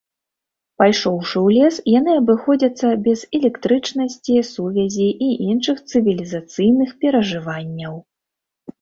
Пайшоўшы ў лес, яны абыходзяцца без электрычнасці, сувязі і іншых цывілізацыйных перажыванняў.